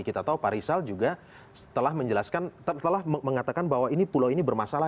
kita tahu pak rizal juga telah mengatakan bahwa ini pulau ini bermasalah